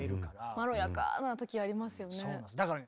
まろやかな時ありますよね。